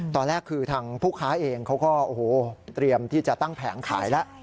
ตอนแรกคือทางผู้ค้าเองเขาก็โอ้โหเตรียมที่จะตั้งแผงขายแล้ว